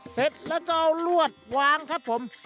เสร็จแล้วก็เอาลวดวางครับผม